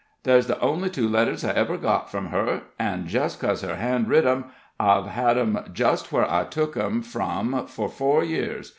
"There's the only two letters I ever got from her, an', just cos her hand writ 'em, I've had 'em just where I took 'em from for four years.